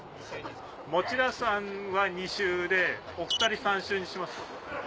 持田さんは２周でお２人３周にします？